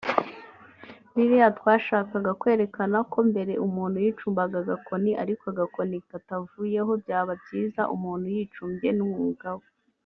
Biriya twashakaga kwerekana ko mbere umuntu yicumbaga agakoni ariko agakoni katavuyeho byaba byiza umuntu yicumbye n’umwuga we